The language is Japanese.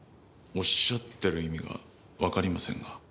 おっしゃってる意味がわかりませんが。